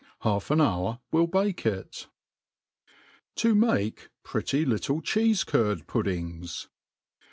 Half an hour will bake it. 7i mah.fritty Utile Ckeefe'Curd Puddings.